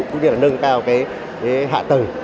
cũng như là nâng cao cái hạ tầng